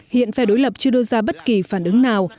hiện phe đối lập chưa đưa ra bất kỳ phản ứng nào